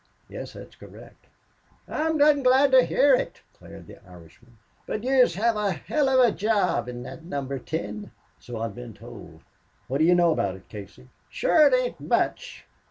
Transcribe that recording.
"Yes, that's correct." "I'm dom' glad to hear ut," declared the Irishman. "But yez hev a hell of a job in thot Number Ten." "So I've been told. What do you know about it, Casey?" "Shure ut ain't much.